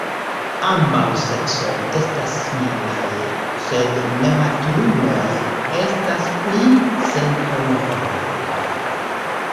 Ambaŭ seksoj estas similaj, sed nematuruloj estas pli senkoloraj.